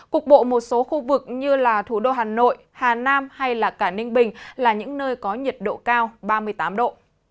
cục bộ một số khu vực như là thủ đô hà nội hà nam hay cả ninh bình là những nơi có nhiệt độ cao ba mươi tám độ